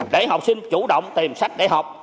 để học sinh chủ động tìm sách để học